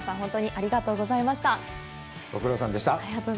ありがとうございます。